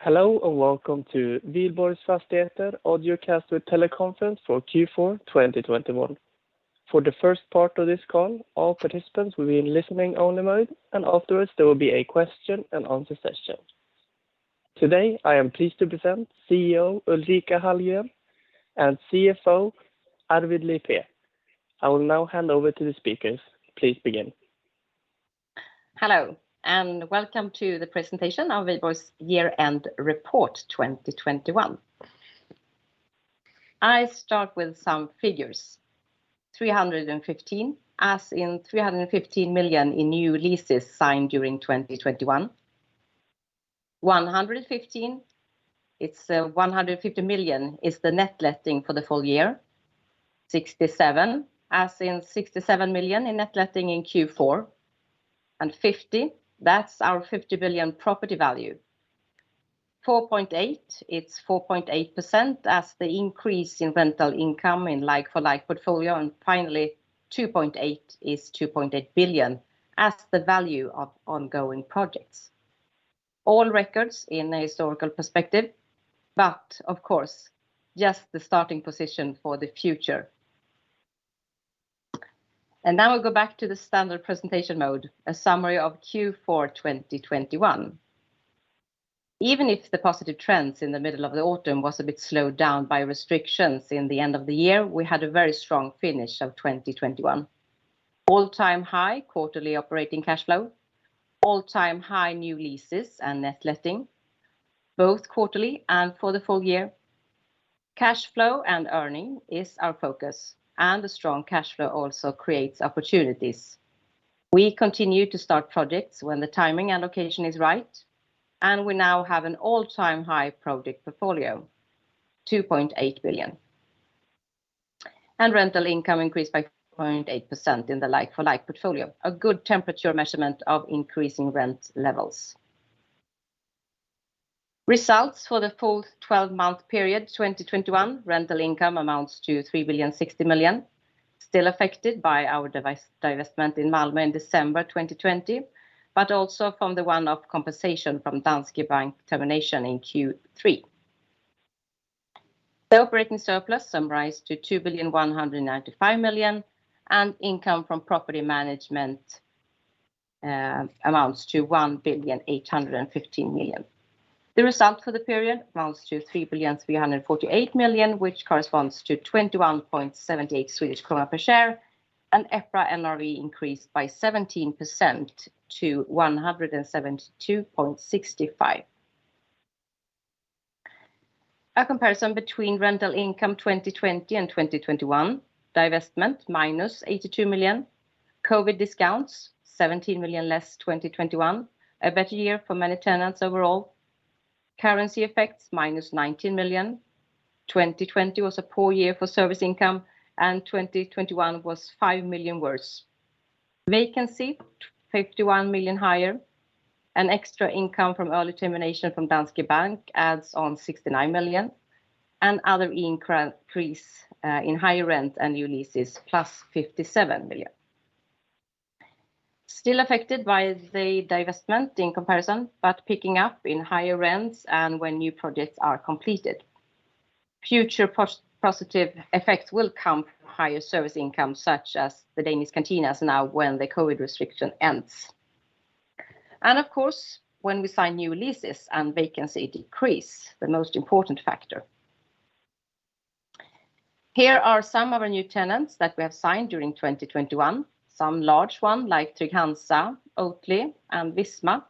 Hello and welcome to Wihlborgs Fastigheter Audio Cast with Teleconference for Q4 2021. For the first part of this call, all participants will be in listening only mode, and afterwards there will be a question and answer session. Today, I am pleased to present CEO Ulrika Hallengren and CFO Arvid Liepe. I will now hand over to the speakers. Please begin. Hello, and welcome to the presentation of Wihlborgs' year-end report 2021. I start with some figures. 315 million, as in new leases signed during 2021. 150 million is the net letting for the full year. 67 million, as in net letting in Q4, and 50 billion, that's our property value. 4.8%, it's as the increase in rental income in like-for-like portfolio, and finally, 2.8 billion as the value of ongoing projects. All records in a historical perspective, but of course, just the starting position for the future. Now we'll go back to the standard presentation mode, a summary of Q4 2021. Even if the positive trends in the middle of the autumn was a bit slowed down by restrictions in the end of the year, we had a very strong finish of 2021. All-time high quarterly operating cash flow. All-time high new leases and net letting, both quarterly and for the full year. Cash flow and earnings is our focus, and a strong cash flow also creates opportunities. We continue to start projects when the timing and location is right, and we now have an all-time high project portfolio, 2.8 billion. Rental income increased by 4.8% in the like-for-like portfolio, a good temperature measurement of increasing rent levels. Results for the full 12-month period 2021, rental income amounts to 3 billion 60 million, still affected by our divestment in Malmö in December 2020, but also from the one-off compensation from Danske Bank termination in Q3. The operating surplus summarized to 2 billion 195 million, and income from property management amounts to 1 billion 815 million. The result for the period amounts to 3 billion 348 million, which corresponds to 21.78 Swedish krona per share, and EPRA NRV increased by 17% to 172.65. A comparison between rental income 2020 and 2021, divestment -82 million, COVID discounts 17 million less 2021, a better year for many tenants overall. Currency effects -19 million. 2020 was a poor year for service income, and 2021 was 5 million worse. Vacancy 51 million higher, and extra income from early termination from Danske Bank adds on 69 million, and other increase in higher rent and new leases +57 million. Still affected by the divestment in comparison, but picking up in higher rents and when new projects are completed. Future positive effects will come from higher service income such as the Danish cantinas now when the COVID restriction ends. Of course, when we sign new leases and vacancy decrease, the most important factor. Here are some of our new tenants that we have signed during 2021. Some large one like Trygg-Hansa, Oatly and Visma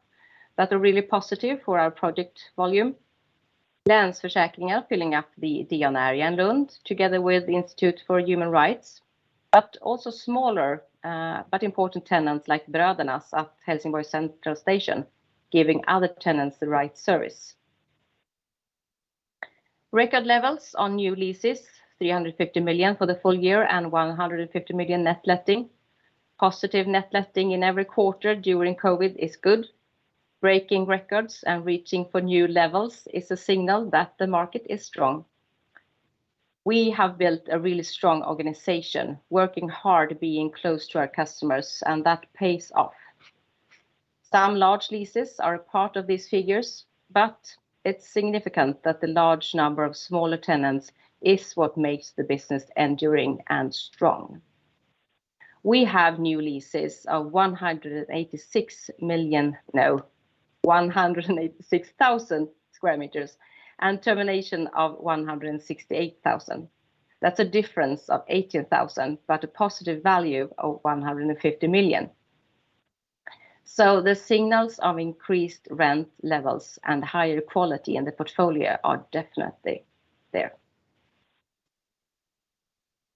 that are really positive for our project volume. Länsförsäkringar filling up the Diana area in Lund together with the Institute for Human Rights, but also smaller, but important tenants like Brödernas at Helsingborg Central Station, giving other tenants the right service. Record levels on new leases, 350 million for the full year and 150 million net letting. Positive net letting in every quarter during COVID is good. Breaking records and reaching for new levels is a signal that the market is strong. We have built a really strong organization, working hard, being close to our customers, and that pays off. Some large leases are a part of these figures, but it's significant that the large number of smaller tenants is what makes the business enduring and strong. We have new leases of 186,000 sq m, and termination of 168,000. That's a difference of 18,000, but a positive value of 150 million. The signals of increased rent levels and higher quality in the portfolio are definitely there.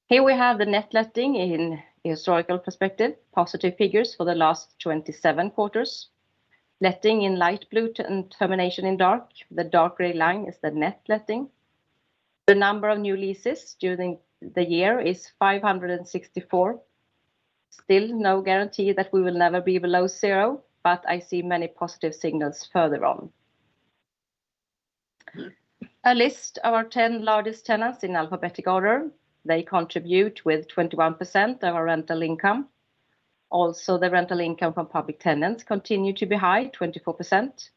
Here we have the net letting in historical perspective. Positive figures for the last 27 quarters. Letting in light blue and termination in dark. The dark gray line is the net letting. The number of new leases during the year is 564. Still no guarantee that we will never be below zero, but I see many positive signals further on. A list of our 10 largest tenants in alphabetic order. They contribute with 21% of our rental income. The rental income from public tenants continues to be high, 24%.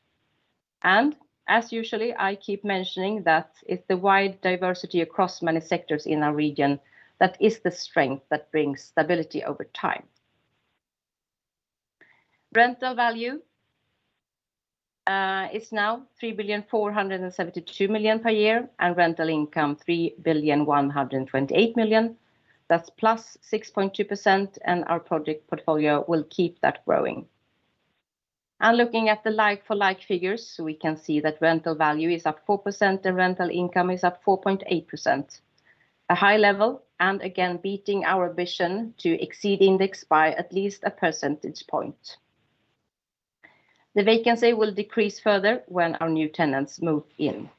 As usual, I keep mentioning that it's the wide diversity across many sectors in our region that is the strength that brings stability over time. Rental value is now 3,472,000,000 per year and rental income 3,128,000,000. That's +6.2%, and our project portfolio will keep that growing. Looking at the like-for-like figures, we can see that rental value is up 4% and rental income is up 4.8%. A high level, and again, beating our vision to exceed index by at least a percentage point. The vacancy will decrease further when our new tenants move in.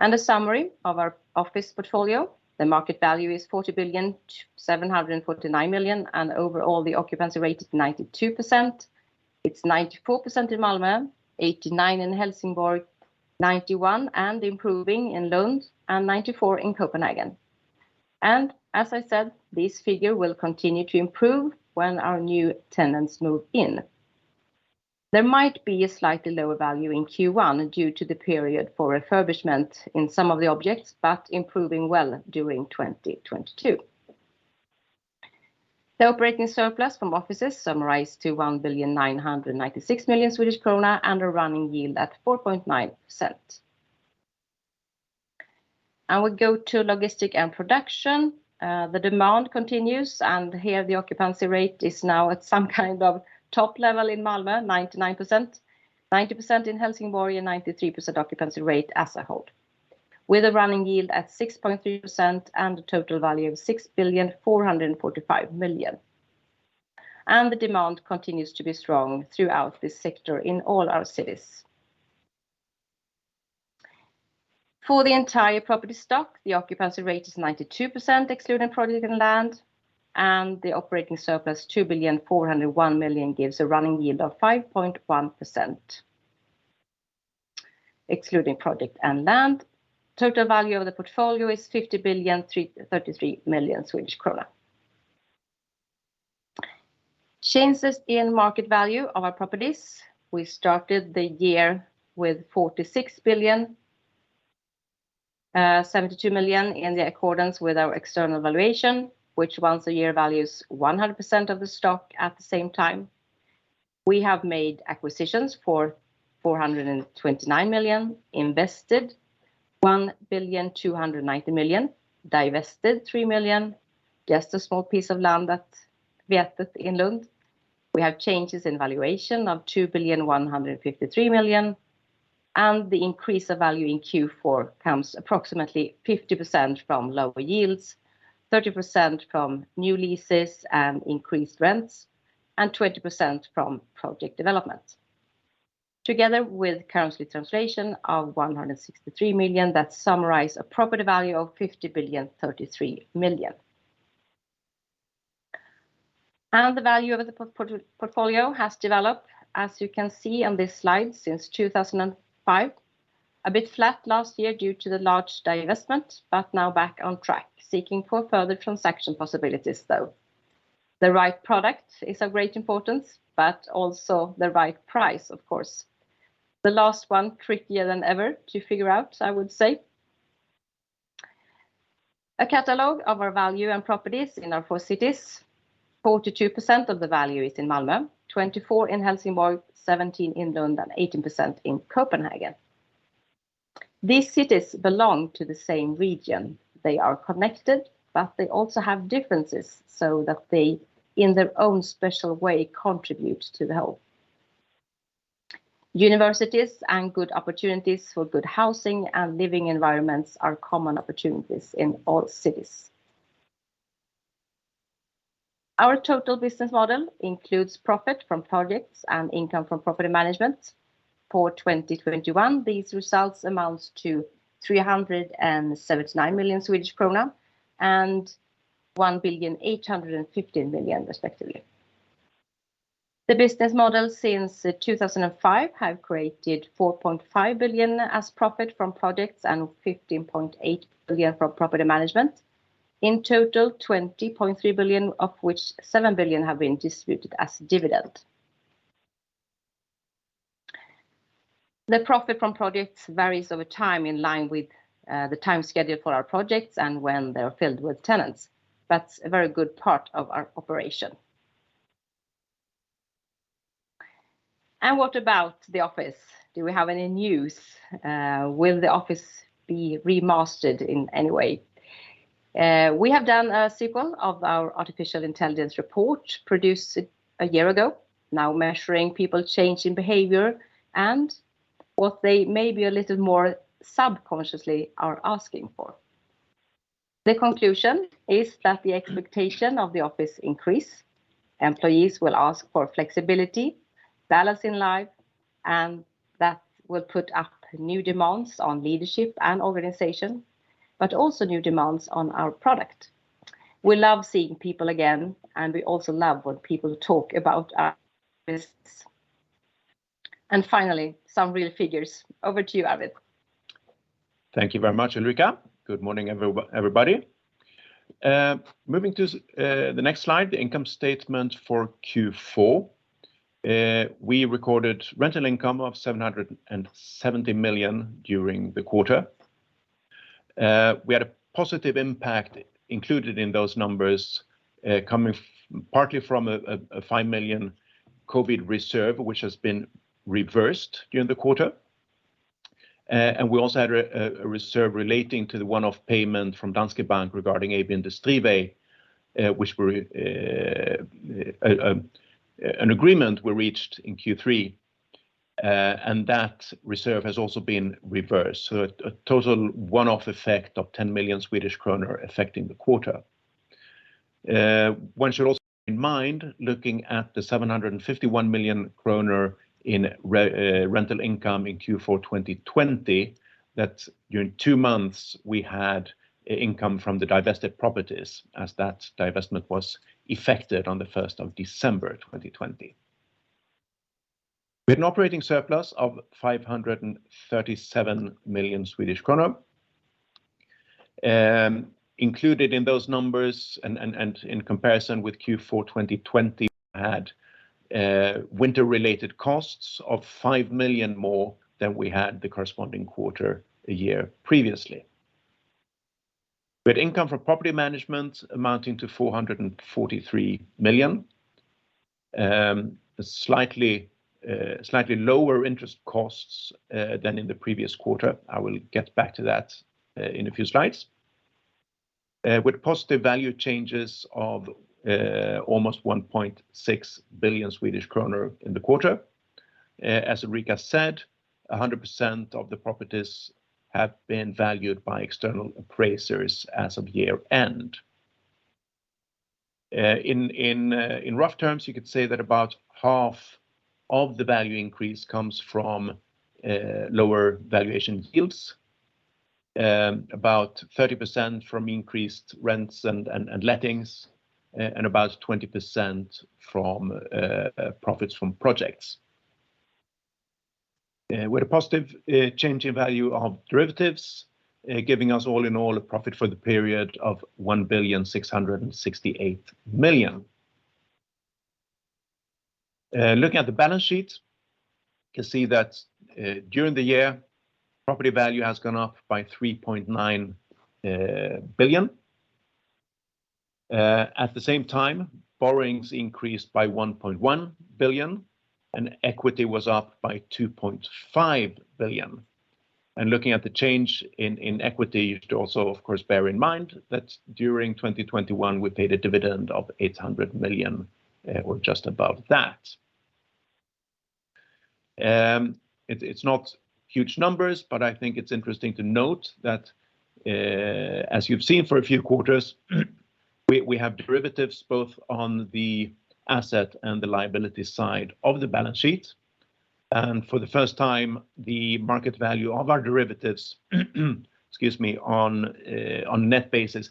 A summary of our office portfolio. The market value is 40,749,000,000, and overall, the occupancy rate is 92%. It's 94% in Malmö, 89% in Helsingborg, 91% and improving in Lund, and 94% in Copenhagen. As I said, this figure will continue to improve when our new tenants move in. There might be a slightly lower value in Q1 due to the period for refurbishment in some of the objects, but improving well during 2022. The operating surplus from offices summarized to 1,996,000,000 Swedish krona and a running yield at 4.9%. We go to logistics and production. The demand continues, and here the occupancy rate is now at some kind of top level in Malmö, 99%, 90% in Helsingborg, and 93% occupancy rate as a whole, with a running yield at 6.3% and a total value of 6,445,000,000. The demand continues to be strong throughout this sector in all our cities. For the entire property stock, the occupancy rate is 92%, excluding project and land, and the operating surplus, 2,401,000,000, gives a running yield of 5.1%. Excluding project and land, total value of the portfolio is 50,033,000,000. Changes in market value of our properties. We started the year with 46,072,000,000 in accordance with our external valuation, which once a year values 100% of the stock at the same time. We have made acquisitions for 429,000,000, invested 1,290,000,000, divested 3 million, just a small piece of land at Vätet in Lund. We have changes in valuation of 2,153,000,000. The increase of value in Q4 comes approximately 50% from lower yields, 30% from new leases and increased rents, and 20% from project development. Together with currency translation of 163 million, that summarize a property value of 50,033,000,000. The value of the portfolio has developed, as you can see on this slide, since 2005. A bit flat last year due to the large divestment, but now back on track, seeking for further transaction possibilities though. The right product is of great importance, but also the right price, of course. The last one, trickier than ever to figure out, I would say. A catalog of our value and properties in our four cities. 42% of the value is in Malmö, 24% in Helsingborg, 17% in Lund, and 18% in Copenhagen. These cities belong to the same region. They are connected, but they also have differences so that they, in their own special way, contribute to the whole. Universities and good opportunities for good housing and living environments are common opportunities in all cities. Our total business model includes profit from projects and income from property management. For 2021, these results amounts to 379 million Swedish krona and 1,815 million respectively. The business model since 2005 have created 4.5 billion as profit from projects and 15.8 billion from property management. In total, 20.3 billion, of which 7 billion have been distributed as dividend. The profit from projects varies over time in line with the time schedule for our projects and when they're filled with tenants. That's a very good part of our operation. What about the office? Do we have any news? Will the office be remastered in any way? We have done a sequel of our artificial intelligence report produced a year ago, now measuring people change in behavior and what they may be a little more subconsciously are asking for. The conclusion is that the expectation of the office increase. Employees will ask for flexibility, balance in life, and that will put up new demands on leadership and organization, but also new demands on our product. We love seeing people again, and we also love when people talk about us. Finally, some real figures. Over to you, Arvid. Thank you very much, Ulrika. Good morning everybody. Moving to the next slide, the income statement for Q4. We recorded rental income of 770 million during the quarter. We had a positive impact included in those numbers, coming partly from a 5 million COVID reserve which has been reversed during the quarter. We also had a reserve relating to the one-off payment from Danske Bank regarding AB Industriväg, which an agreement was reached in Q3, and that reserve has also been reversed. A total one-off effect of 10 million Swedish kronor affecting the quarter. One should also keep in mind, looking at 751 million kronor in rental income in Q4 2020 that during two months we had income from the divested properties as that divestment was effected on the first of December 2020. We had an operating surplus of 537 million Swedish kronor. Included in those numbers and in comparison with Q4 2020 we had winter-related costs of 5 million more than we had the corresponding quarter a year previously. With income from property management amounting to 443 million, slightly lower interest costs than in the previous quarter. I will get back to that in a few slides. With positive value changes of almost 1.6 billion Swedish kronor in the quarter. As Ulrika said, 100% of the properties have been valued by external appraisers as of year-end. In rough terms, you could say that about half of the value increase comes from lower valuation yields, about 30% from increased rents and lettings and about 20% from profits from projects. With a positive change in value of derivatives, giving us all in all a profit for the period of 1.668 billion. Looking at the balance sheet, you can see that during the year, property value has gone up by 3.9 billion. At the same time, borrowings increased by 1.1 billion, and equity was up by 2.5 billion. Looking at the change in equity, you should also, of course, bear in mind that during 2021 we paid a dividend of 800 million, or just above that. It's not huge numbers, but I think it's interesting to note that, as you've seen for a few quarters, we have derivatives both on the asset and the liability side of the balance sheet. For the first time, the market value of our derivatives, excuse me, on a net basis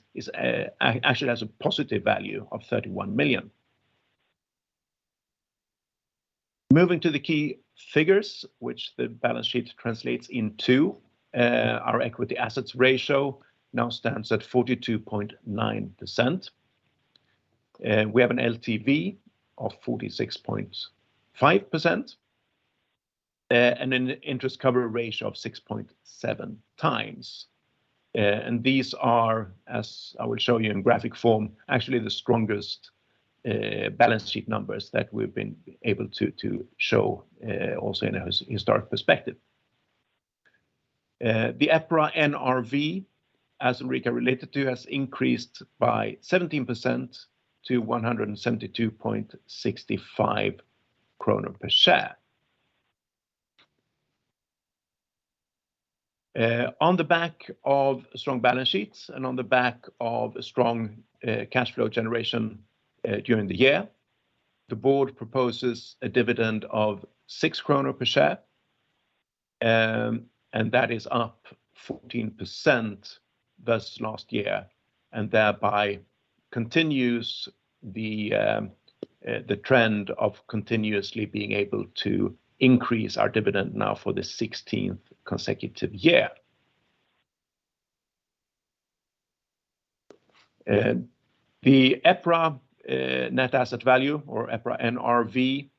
actually has a positive value of 31 million. Moving to the key figures which the balance sheet translates into, our equity-to-asset ratio now stands at 42.9%. We have an LTV of 46.5%. And an interest coverage ratio of 6.7x. These are, as I will show you in graphic form, actually the strongest balance sheet numbers that we've been able to show also in a historic perspective. The EPRA NRV, as Ulrika related to, has increased by 17% to 172.65 kronor per share. On the back of strong balance sheets and on the back of strong cash flow generation during the year, the board proposes a dividend of 6 kronor per share, and that is up 14% versus last year, and thereby continues the trend of continuously being able to increase our dividend now for the 16th consecutive year. The EPRA net asset value or EPRA NRV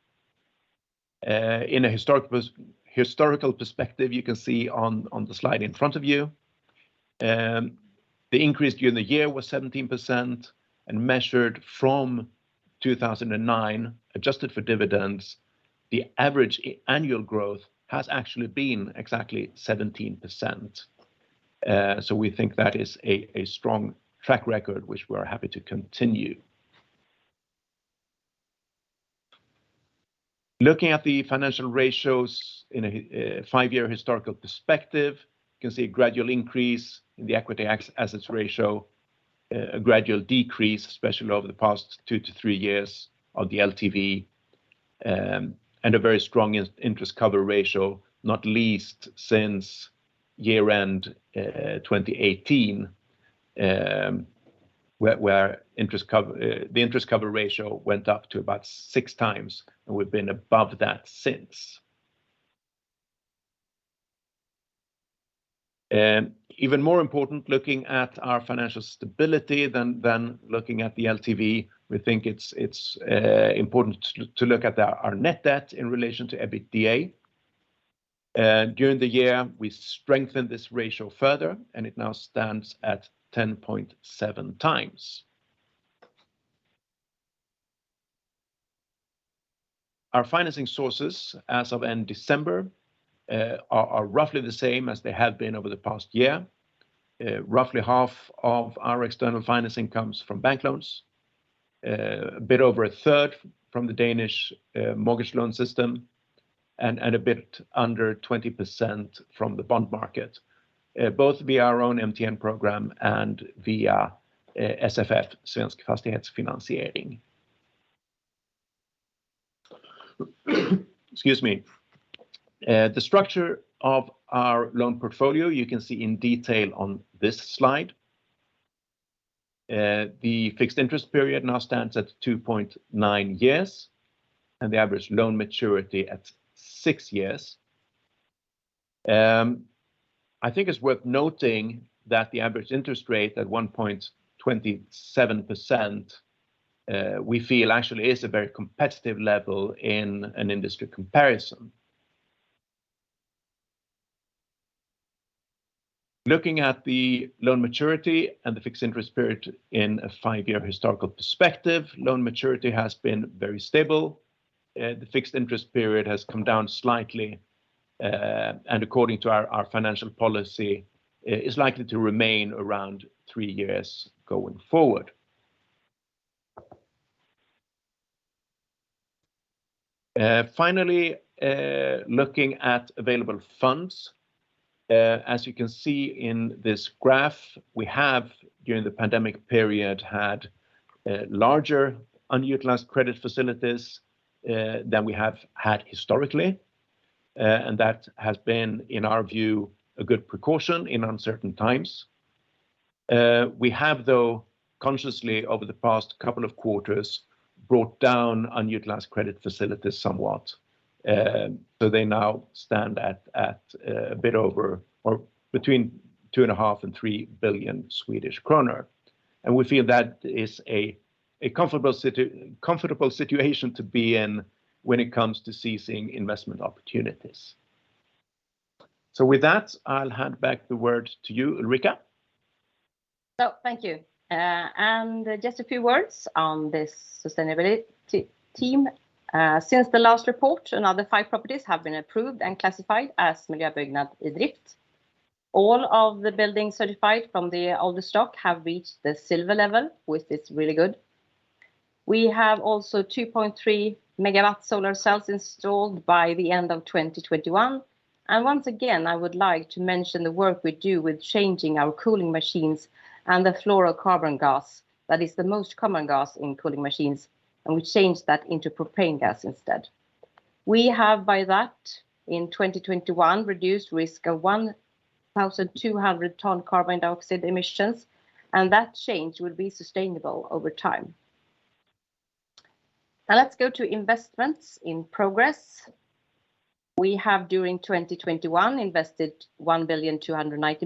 in a historical perspective, you can see on the slide in front of you. The increase during the year was 17% and measured from 2009. Adjusted for dividends, the average annual growth has actually been exactly 17%. So we think that is a strong track record, which we are happy to continue. Looking at the financial ratios in a five-year historical perspective, you can see a gradual increase in the equity to asset ratio, a gradual decrease, especially over the past two to three years of the LTV, and a very strong interest coverage ratio, not least since year-end, 2018, where the interest coverage ratio went up to about six times, and we've been above that since. Even more important, looking at our financial stability than looking at the LTV, we think it's important to look at our net debt in relation to EBITDA. During the year, we strengthened this ratio further, and it now stands at 10.7 times. Our financing sources as of end December are roughly the same as they have been over the past year. Roughly half of our external financing comes from bank loans, a bit over a third from the Danish mortgage loan system, and a bit under 20% from the bond market, both via our own MTN program and via SFF, Svensk Fastighetsfinansiering. Excuse me. The structure of our loan portfolio you can see in detail on this slide. The fixed interest period now stands at 2.9 years, and the average loan maturity at six years. I think it's worth noting that the average interest rate at 1.27%, we feel actually is a very competitive level in an industry comparison. Looking at the loan maturity and the fixed interest period in a five-year historical perspective, loan maturity has been very stable. The fixed interest period has come down slightly, and according to our financial policy, is likely to remain around three years going forward. Finally, looking at available funds. As you can see in this graph, we have during the pandemic period had larger unutilized credit facilities than we have had historically. That has been, in our view, a good precaution in uncertain times. We have though consciously over the past couple of quarters brought down unutilized credit facilities somewhat. They now stand at a bit over or between 2.5 billion and 3 billion Swedish kronor. We feel that is a comfortable situation to be in when it comes to seizing investment opportunities. With that, I'll hand back the word to you, Ulrika. Thank you. Just a few words on this sustainability team. Since the last report, another five properties have been approved and classified as Miljöbyggnad iDrift. All of the buildings certified from the older stock have reached the silver level, which is really good. We have also 2.3 MW solar cells installed by the end of 2021. Once again, I would like to mention the work we do with changing our cooling machines and the fluorocarbon gas that is the most common gas in cooling machines, and we change that into propane gas instead. We have by that in 2021 reduced risk of 1,200 tons carbon dioxide emissions, and that change will be sustainable over time. Now let's go to investments in progress. We have during 2021 invested 1.29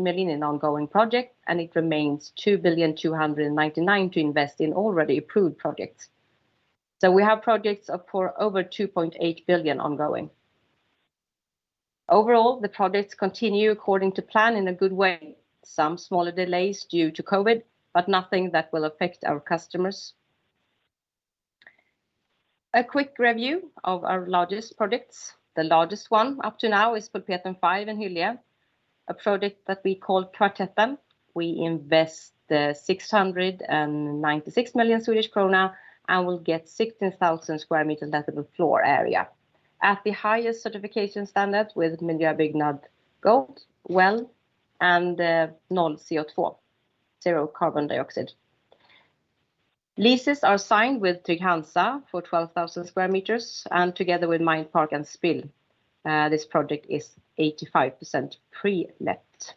billion in ongoing project, and it remains 2.299 billion to invest in already approved projects. We have projects of over 2.8 billion ongoing. Overall, the projects continue according to plan in a good way. Some smaller delays due to COVID, but nothing that will affect our customers. A quick review of our largest projects. The largest one up to now is Pulpeten 5 in Hyllie, a project that we call Kvartetten. We invest 696 million Swedish krona and will get 16,000 sq m lettable floor area. At the highest certification standard with Miljöbyggnad Gold, WELL, and NollCO2, zero carbon dioxide. Leases are signed with Trygg-Hansa for 12,000 sq m, and together with Mindpark and Spill, this project is 85% pre-let.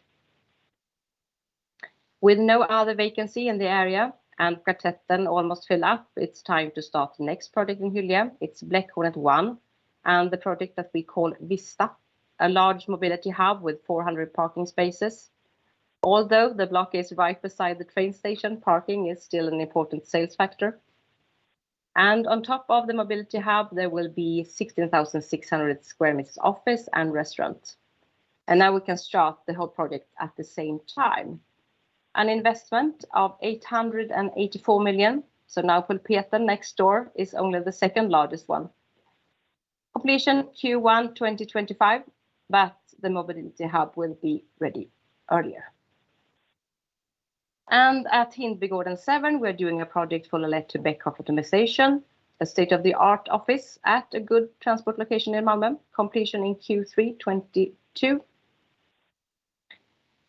With no other vacancy in the area and Kvartetten almost full up, it's time to start the next project in Hyllie. It's Bläckhornet 1 and the project that we call Vista, a large mobility hub with 400 parking spaces. Although the block is right beside the train station, parking is still an important sales factor. On top of the mobility hub, there will be 16,600 sq m office and restaurant. Now we can start the whole project at the same time. An investment of 884 million, so now Pulpeten next door is only the second largest one. Completion Q1 2025, but the mobility hub will be ready earlier. At Hindbygården 7, we're doing a project for a lettings and back-office optimization, a state-of-the-art office at a good transport location in Malmö. Completion in Q3 2022.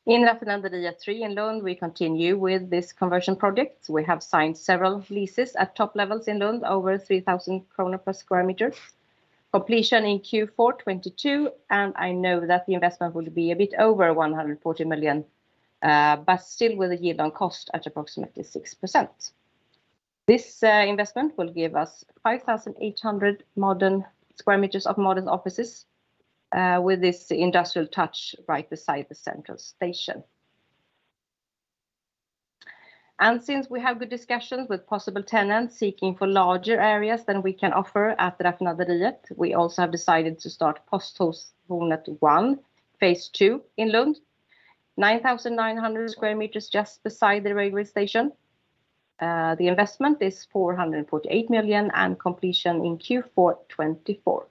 In Raffinaderiet 3 in Lund, we continue with this conversion project. We have signed several leases at top levels in Lund, over 3,000 kronor per sq m. Completion in Q4 2022, and I know that the investment will be a bit over 140 million, but still with a yield on cost at approximately 6%. This investment will give us 5,800 modern sq m of modern offices, with this industrial touch right beside the central station. Since we have good discussions with possible tenants seeking for larger areas than we can offer at Raffinaderiet, we also have decided to start Posthornet 1, phase two in Lund. 9,900 sq m just beside the railway station. The investment is 448 million, and completion in Q4 2024.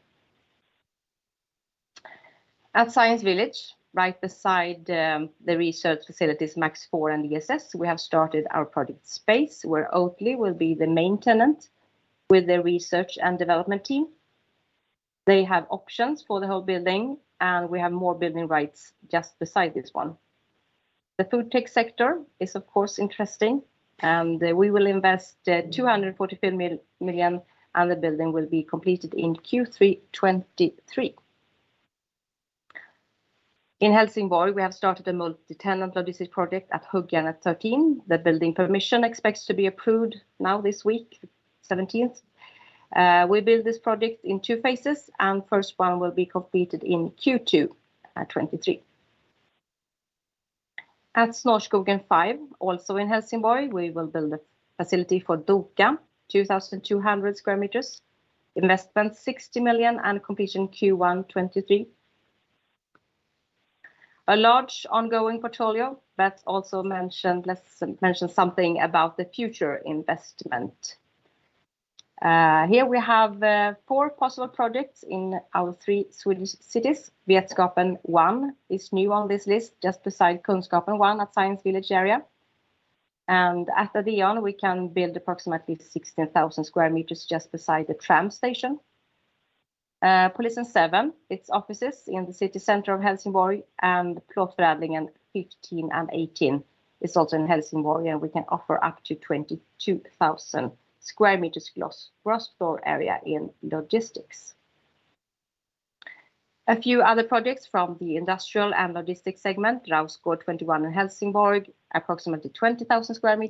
At Science Village, right beside the research facilities MAX IV and ESS, we have started our project space where Oatly will be the main tenant with their research and development team. They have options for the whole building, and we have more building rights just beside this one. The food tech sector is, of course, interesting, and we will invest 245 million, and the building will be completed in Q3 2023. In Helsingborg, we have started a multi-tenant logistics project at Huggjärnet 13. The building permission is expected to be approved now this week, seventeenth. We build this project in two phases, and first one will be completed in Q2 2023. At Snårskogen 5, also in Helsingborg, we will build a facility for Doka, 2,200 sq m. Investment 60 million, and completion Q1 2023. A large ongoing portfolio that's also mentioned. Let's mention something about the future investment. Here we have four possible projects in our three Swedish cities. Vätet 1 is new on this list, just beside Kunskapen 1 at Science Village area. At Ideon, we can build approximately 16,000 sq m just beside the tram station. Polisen 7, it's offices in the city center of Helsingborg, and Fredlingen 15 and 18 is also in Helsingborg, and we can offer up to 22,000 sq m gross floor area in logistics. A few other projects from the industrial and logistics segment. Rausgård 21 in Helsingborg, approximately 20,000 sq m.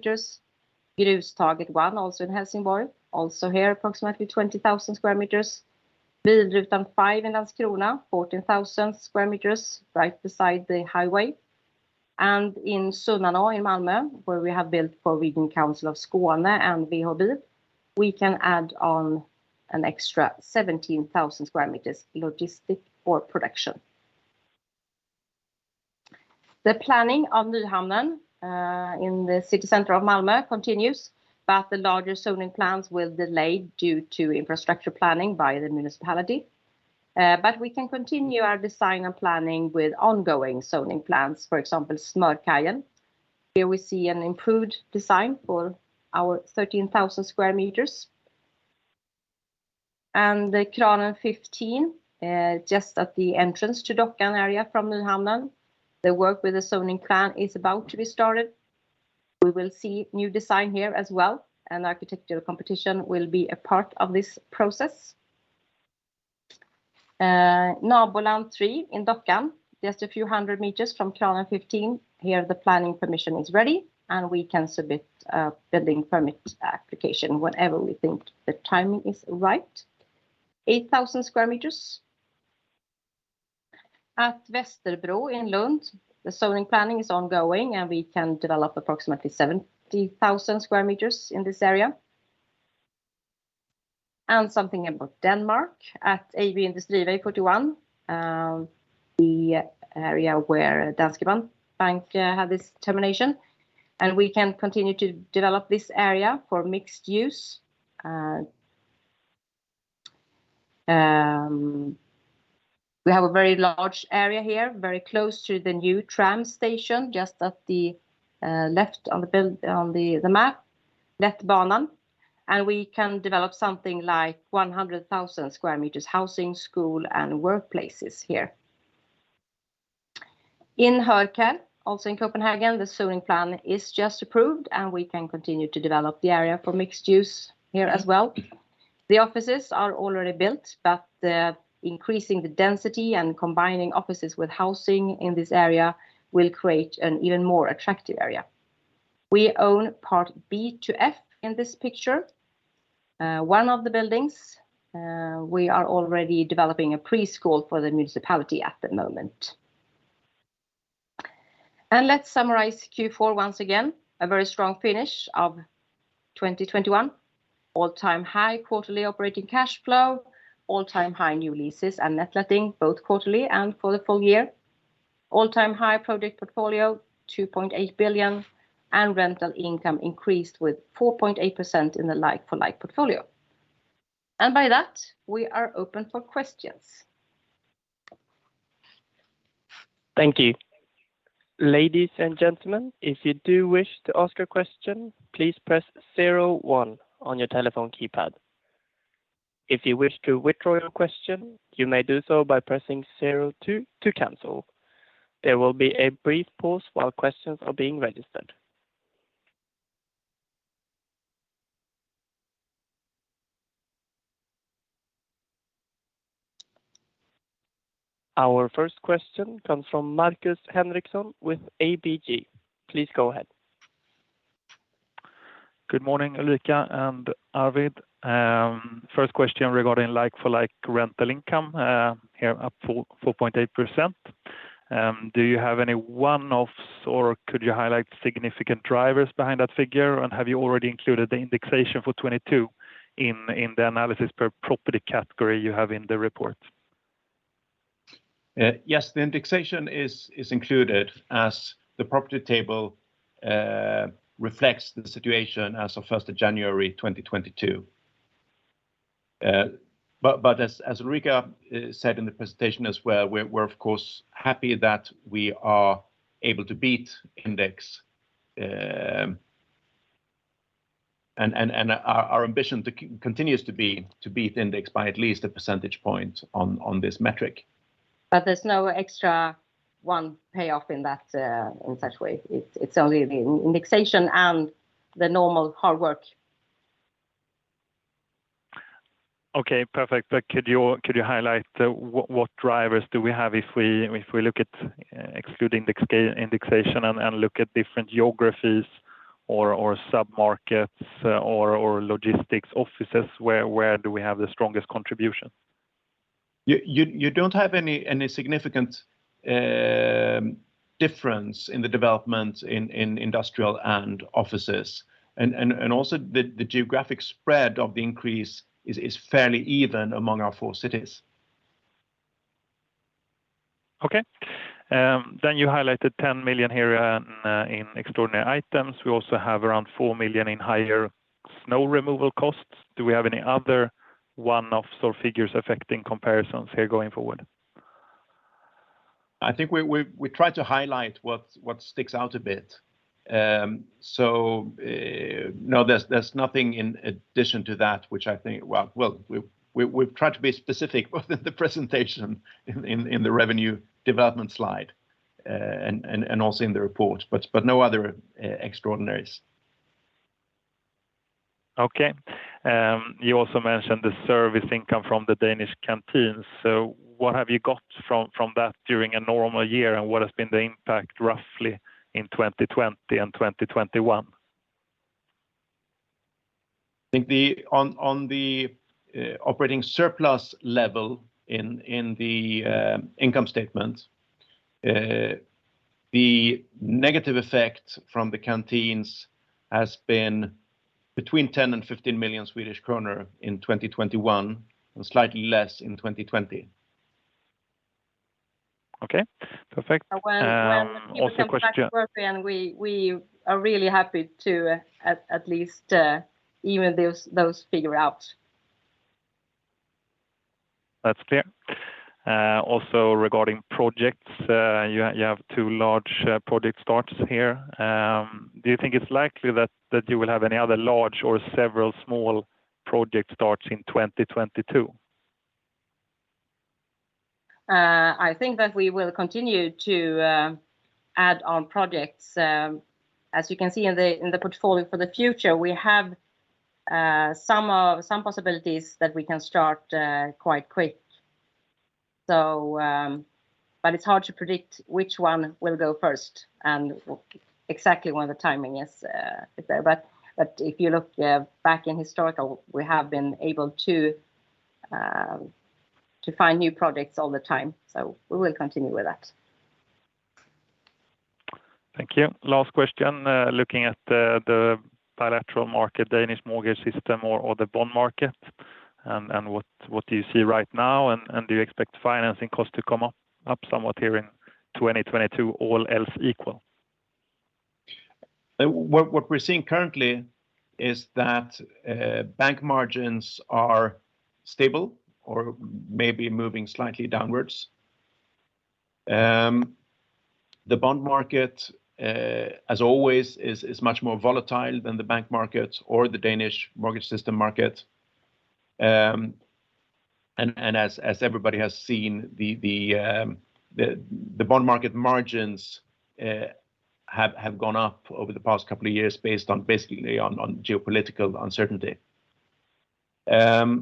Grustaget 1, also in Helsingborg. Approximately 20,000 sq m. Bilrutan 5 in Landskrona, 14,000 sq m, right beside the highway. In Sunnanå in Malmö, where we have built for Region Skåne and WHB, we can add on an extra 17,000 sq m logistic for production. The planning of Nyhamnen in the city center of Malmö continues, but the larger zoning plans will delay due to infrastructure planning by the municipality. But we can continue our design and planning with ongoing zoning plans, for example, Smörkajen. Here we see an improved design for our 13,000 sq m. The Kranen 15 just at the entrance to Dockan area from Nyhamnen. The work with the zoning plan is about to be started. We will see new design here as well, and architectural competition will be a part of this process. Naboland 3 in Dockan, just a few hundred meters from Kranen 15. Here, the planning permission is ready, and we can submit a building permit application whenever we think the timing is right. 8,000 sq m. At Västerbro in Lund, the zoning planning is ongoing, and we can develop approximately 70,000 sq m in this area. Something about Denmark. At Industrivägen 41, the area where Danske Bank had its operations. We can continue to develop this area for mixed use. We have a very large area here, very close to the new tram station, just at the left on the map, Lättbanan, and we can develop something like 100,000 sq m housing, school, and workplaces here. In Højbjerg, also in Copenhagen, the zoning plan is just approved, and we can continue to develop the area for mixed use here as well. The offices are already built, but increasing the density and combining offices with housing in this area will create an even more attractive area. We own part B to F in this picture. One of the buildings, we are already developing a preschool for the municipality at the moment. Let's summarize Q4 once again. A very strong finish of 2021. All-time high quarterly operating cash flow. All-time high new leases and net letting, both quarterly and for the full year. All-time high project portfolio, 2.8 billion. Rental income increased with 4.8% in the like-for-like portfolio. By that, we are open for questions. Thank you. Our first question comes from Markus Henriksson with ABG. Please go ahead. Good morning, Ulrika and Arvid. First question regarding like-for-like rental income, here up 4.8%. Do you have any one-offs, or could you highlight significant drivers behind that figure? Have you already included the indexation for 2022 in the analysis per property category you have in the report? Yes, the indexation is included as the property table reflects the situation as of first of January 2022. As Ulrika said in the presentation as well, we're of course happy that we are able to beat index, and our ambition continues to be to beat index by at least a percentage point on this metric. There's no extra income payoff in that, in such way. It's only the indexation and the normal hard work. Okay. Perfect. Could you highlight what drivers do we have if we look at excluding the ex-indexation and look at different geographies or submarkets or logistics offices, where do we have the strongest contribution? You don't have any significant difference in the development in industrial and offices. Also, the geographic spread of the increase is fairly even among our four cities. Okay. You highlighted 10 million here in extraordinary items. We also have around 4 million in higher snow removal costs. Do we have any other one-offs or figures affecting comparisons here going forward? I think we try to highlight what sticks out a bit. No, there's nothing in addition to that which I think. Well, we've tried to be specific within the presentation in the revenue development slide, and also in the report, but no other extraordinaries. Okay. You also mentioned the service income from the Danish canteens. What have you got from that during a normal year, and what has been the impact roughly in 2020 and 2021? I think on the operating surplus level in the income statement, the negative effect from the canteens has been between 10 million and 15 million Swedish kronor in 2021, and slightly less in 2020. Okay. Perfect. Also question. When people come back to work, then we are really happy to at least even those figure out. That's clear. Also regarding projects, you have two large project starts here. Do you think it's likely that you will have any other large or several small project starts in 2022? I think that we will continue to add on projects. As you can see in the portfolio for the future, we have some possibilities that we can start quite quick. But it's hard to predict which one will go first and exactly when the timing is, but if you look back historically, we have been able to find new projects all the time. We will continue with that. Thank you. Last question, looking at the bilateral market, Danish mortgage system or the bond market, and what do you see right now? Do you expect financing costs to come up somewhat here in 2022, all else equal? What we're seeing currently is that bank margins are stable or maybe moving slightly downwards. The bond market, as always, is much more volatile than the bank market or the Danish mortgage system market. As everybody has seen, the bond market margins have gone up over the past couple of years based basically on geopolitical uncertainty. I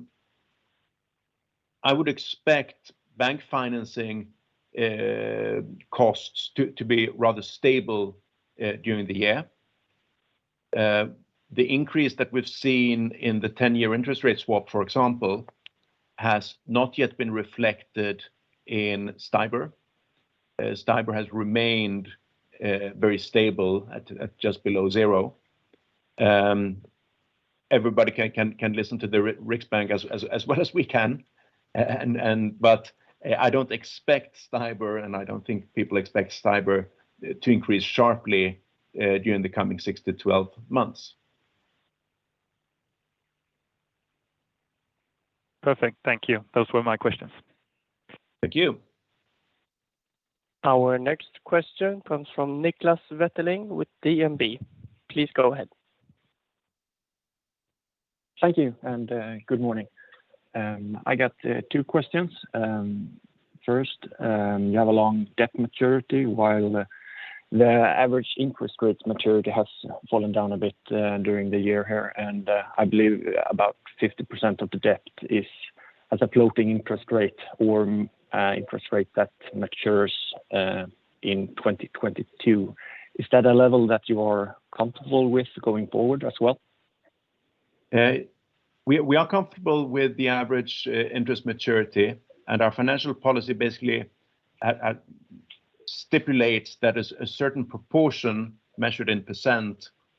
would expect bank financing costs to be rather stable during the year. The increase that we've seen in the 10-year interest rate swap, for example, has not yet been reflected in STIBOR, as STIBOR has remained very stable at just below zero. Everybody can listen to the Riksbank as well as we can. I don't expect STIBOR, and I don't think people expect STIBOR to increase sharply during the coming six-12 months. Perfect. Thank you. Those were my questions. Thank you. Our next question comes from Niklas Wetterling with DNB. Please go ahead. Thank you and good morning. I got two questions. First, you have a long debt maturity while the average interest rates maturity has fallen down a bit during the year here, and I believe about 50% of the debt is at a floating interest rate or interest rate that matures in 2022. Is that a level that you are comfortable with going forward as well? We are comfortable with the average interest maturity and our financial policy basically stipulates that a certain proportion measured in %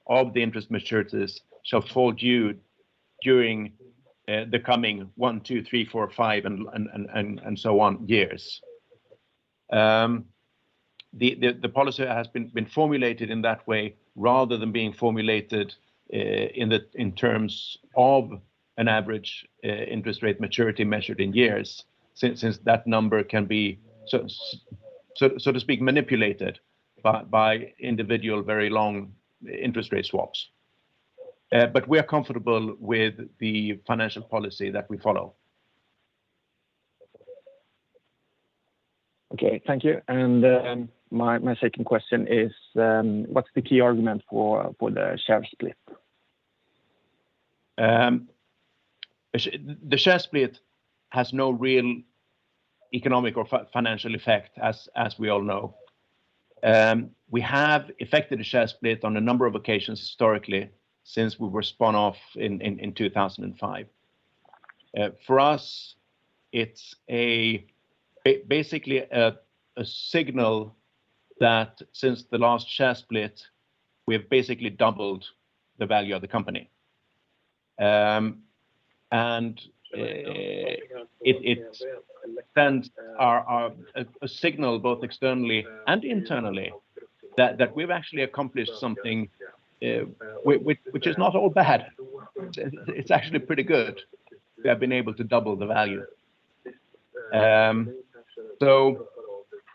of the interest maturities shall fall due during the coming one, two, three, four, five, and so on years. The policy has been formulated in that way rather than being formulated in terms of an average interest rate maturity measured in years since that number can be so-so, so to speak, manipulated by individual very long interest rate swaps. We are comfortable with the financial policy that we follow. Okay. Thank you. My second question is, what's the key argument for the share split? The share split has no real economic or financial effect as we all know. We have effected a share split on a number of occasions historically since we were spun off in 2005. For us, it's basically a signal that since the last share split, we've basically doubled the value of the company. It sends a signal both externally and internally that we've actually accomplished something, which is not all bad. It's actually pretty good. We have been able to double the value.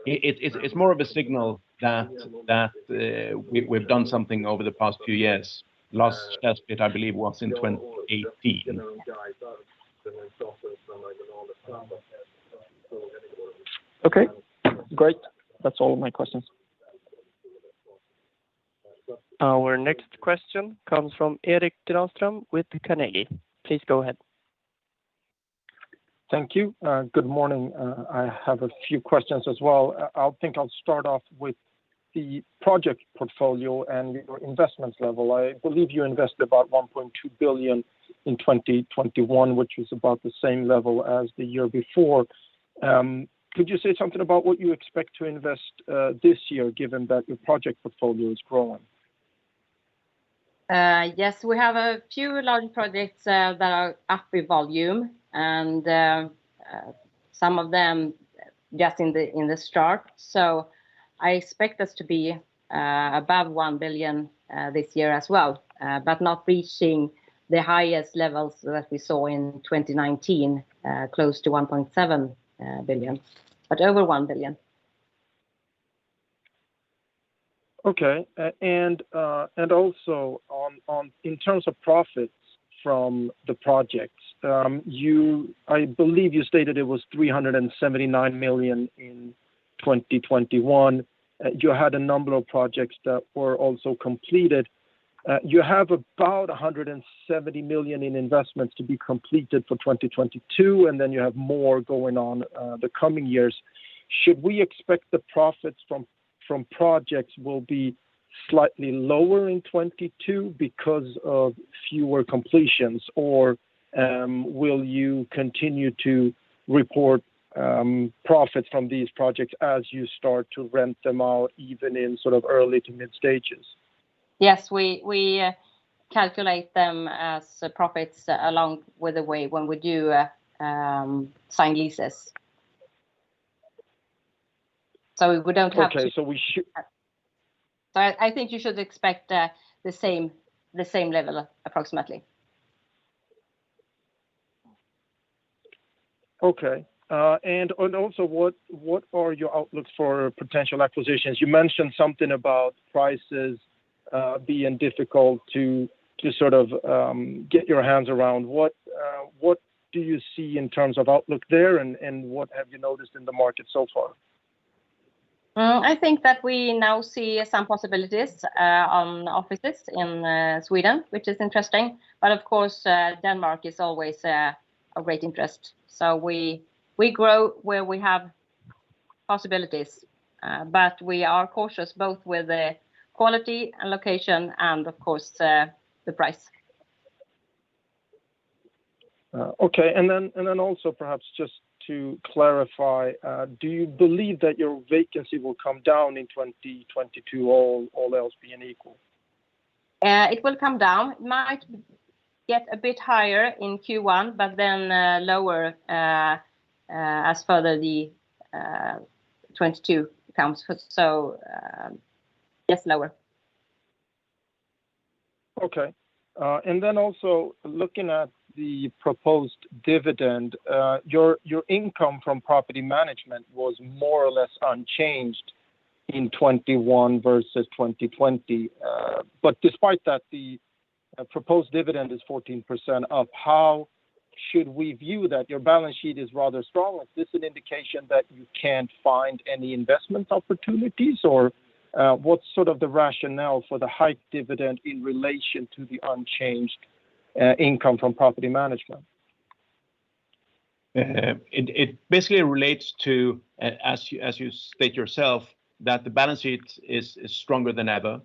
It's more of a signal that we've done something over the past few years. The last share split, I believe, was in 2018. Okay, great. That's all of my questions. Our next question comes from Erik Granström with Carnegie. Please go ahead. Thank you. Good morning. I have a few questions as well. I think I'll start off with the project portfolio and your investment level. I believe you invested about 1.2 billion in 2021, which is about the same level as the year before. Could you say something about what you expect to invest this year given that your project portfolio is growing? Yes. We have a few large projects that are up in volume, and some of them just in the start. I expect us to be above 1 billion this year as well, but not reaching the highest levels that we saw in 2019, close to 1.7 billion, but over 1 billion. Okay. Also, in terms of profits from the projects, I believe you stated it was 379 million in 2021. You had a number of projects that were also completed. You have about 170 million in investments to be completed for 2022, and then you have more going on the coming years. Should we expect the profits from projects will be slightly lower in 2022 because of fewer completions, or will you continue to report profits from these projects as you start to rent them out, even in sort of early to mid-stages? Yes. We calculate them as profits along the way when we do sign leases. We don't have to Okay. I think you should expect the same level approximately. Okay. Also what are your outlooks for potential acquisitions? You mentioned something about prices being difficult to sort of get your hands around. What do you see in terms of outlook there, and what have you noticed in the market so far? Well, I think that we now see some possibilities on offices in Sweden, which is interesting. Of course, Denmark is always a great interest. We grow where we have possibilities, but we are cautious both with the quality and location and of course, the price. Perhaps just to clarify, do you believe that your vacancy will come down in 2022, all else being equal? It will come down. It might get a bit higher in Q1, but then lower as further the 2022 comes. Yes, lower. Okay. Also looking at the proposed dividend, your income from property management was more or less unchanged in 2021 versus 2020. Despite that, the proposed dividend is 14% up. How should we view that? Your balance sheet is rather strong. Is this an indication that you can't find any investment opportunities? Or, what's sort of the rationale for the high dividend in relation to the unchanged income from property management? It basically relates to, as you state yourself, that the balance sheet is stronger than ever.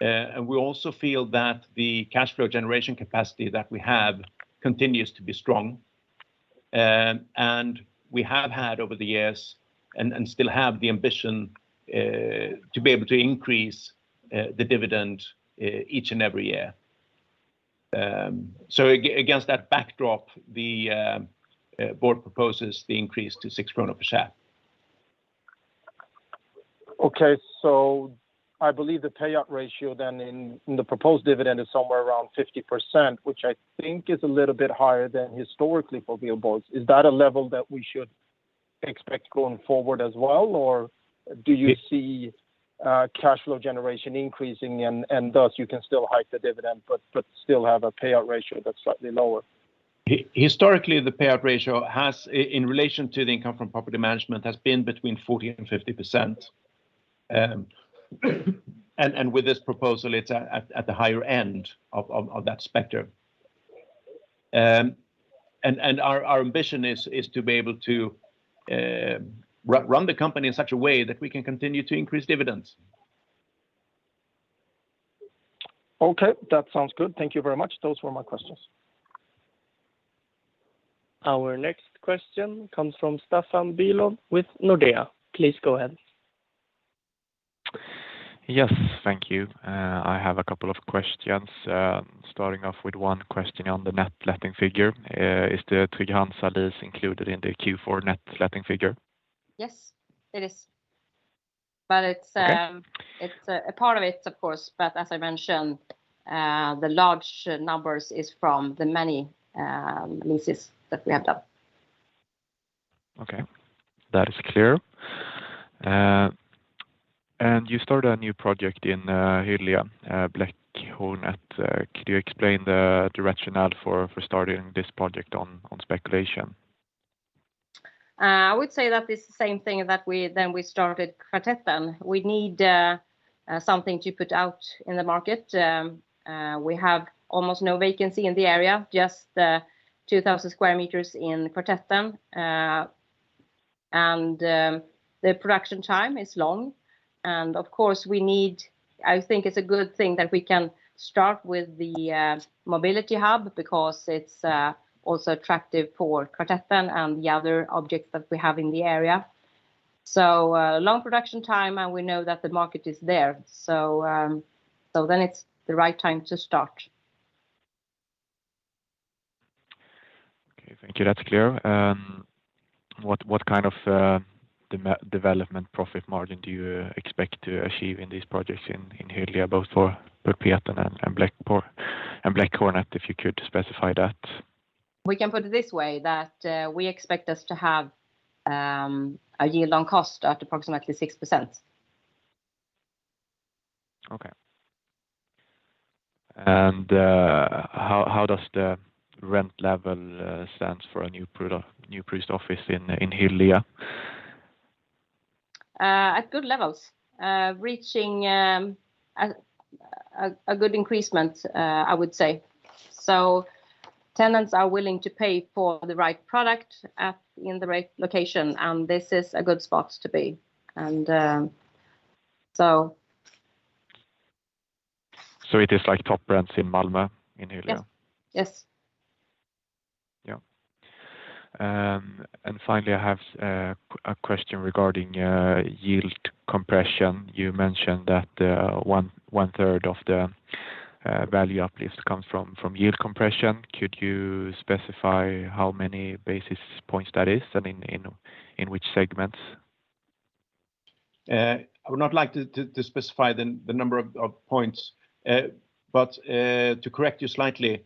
We also feel that the cash flow generation capacity that we have continues to be strong. We have had over the years and still have the ambition to be able to increase the dividend each and every year. Against that backdrop, the Board proposes the increase to 6 krona per share. Okay. I believe the payout ratio then in the proposed dividend is somewhere around 50%, which I think is a little bit higher than historically for Wihlborgs. Is that a level that we should expect going forward as well? Or do you see cash flow generation increasing and thus you can still hike the dividend but still have a payout ratio that's slightly lower? Historically, the payout ratio has, in relation to the income from property management, been between 40% and 50%. With this proposal, it's at the higher end of that spectrum. Our ambition is to be able to run the company in such a way that we can continue to increase dividends. Okay. That sounds good. Thank you very much. Those were my questions. Our next question comes from Staffan Bülow with Nordea. Please go ahead. Yes. Thank you. I have a couple of questions, starting off with one question on the net letting figure. Is the Trygg-Hansa lease included in the Q4 net letting figure? Yes, it is. It's Okay. It's a part of it, of course, but as I mentioned, the large numbers is from the many leases that we have done. Okay. That is clear. You started a new project in Hyllie, Bläckhornet. Could you explain the rationale for starting this project on speculation? I would say that it's the same thing that when we started Kvartetten. We need something to put out in the market. We have almost no vacancy in the area, just 2,000 sq m in Kvartetten. The production time is long. I think it's a good thing that we can start with the mobility hub because it's also attractive for Kvartetten and the other objects that we have in the area. Long production time, and we know that the market is there. It's the right time to start. Okay. Thank you. That's clear. What kind of development profit margin do you expect to achieve in these projects in Hyllie both for Pulpeten and Bläckhornet, if you could specify that? We can put it this way, that we expect us to have a yield on cost at approximately 6%. How does the rent level stand for a new produced office in Hyllie? At good levels. Reaching a good increase, I would say. Tenants are willing to pay for the right product in the right location, and this is a good spot to be. And so... It is like top brands in Malmö, in Hyllie? Yes. Yes. Yeah. Finally, I have a question regarding yield compression. You mentioned that one third of the value uplift comes from yield compression. Could you specify how many basis points that is and in which segments? I would not like to specify the number of points. To correct you slightly,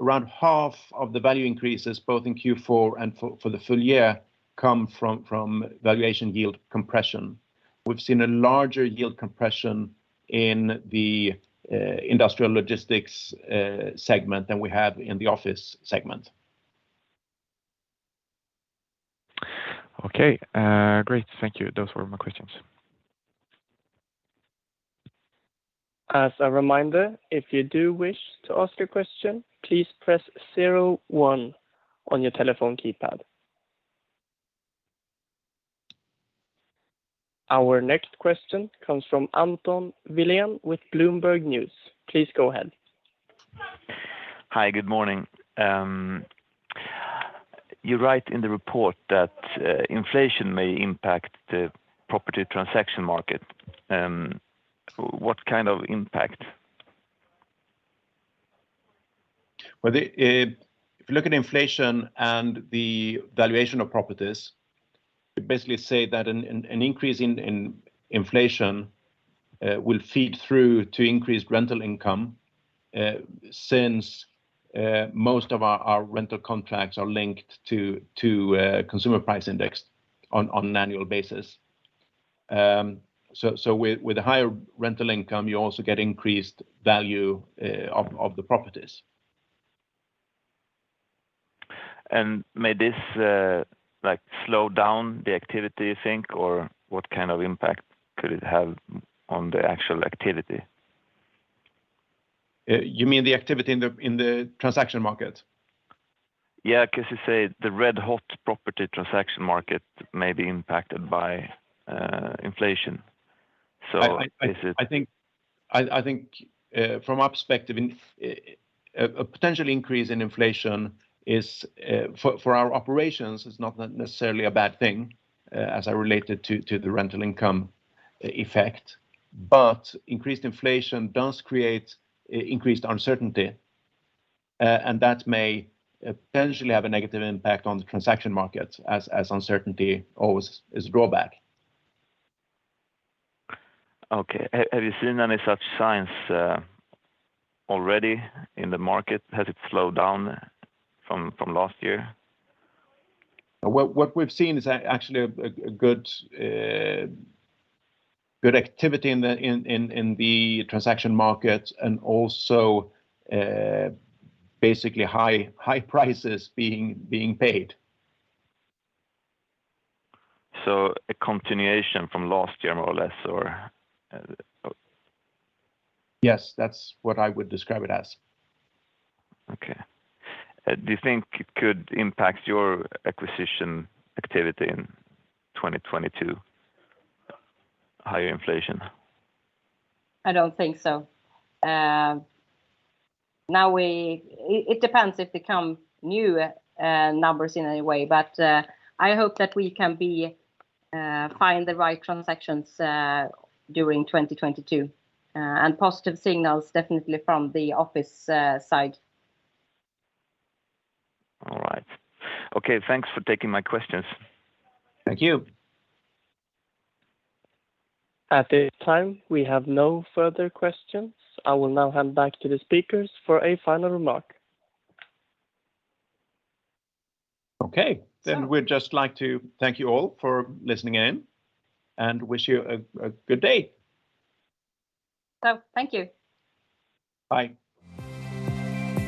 around half of the value increases both in Q4 and for the full year come from valuation yield compression. We've seen a larger yield compression in the industrial logistics segment than we have in the office segment. Okay. Great. Thank you. Those were my questions. As a reminder, if you do wish to ask a question, please press zero one on your telephone keypad. Our next question comes from Anton Wilen with Bloomberg News. Please go ahead. Hi. Good morning. You write in the report that inflation may impact the property transaction market. What kind of impact? Well, if you look at inflation and the valuation of properties, we basically say that an increase in inflation will feed through to increased rental income, since most of our rental contracts are linked to consumer price index on an annual basis. So, with a higher rental income, you also get increased value of the properties. May this, like, slow down the activity you think? Or what kind of impact could it have on the actual activity? You mean the activity in the transaction market? Yeah, 'cause you say the red hot property transaction market may be impacted by inflation, so is it? I think from our perspective, a potential increase in inflation is for our operations it's not necessarily a bad thing, as I relate it to the rental income effect. Increased inflation does create increased uncertainty, and that may potentially have a negative impact on the transaction market as uncertainty always is a drawback. Okay. Have you seen any such signs already in the market? Has it slowed down from last year? What we've seen is actually a good activity in the transaction market, and also basically high prices being paid. A continuation from last year more or less, or. Yes. That's what I would describe it as. Okay. Do you think it could impact your acquisition activity in 2022? Higher inflation. I don't think so. Now it depends if it comes new numbers in any way, but I hope that we can find the right transactions during 2022 and positive signals definitely from the office side. All right. Okay, thanks for taking my questions. Thank you. At this time we have no further questions. I will now hand back to the speakers for a final remark. Okay. So- We'd just like to thank you all for listening in and wish you a good day. Thank you. Bye.